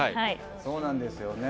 そうなんですよね。